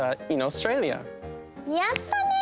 やったね！